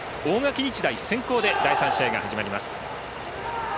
大垣日大、先攻で第３試合が始まります。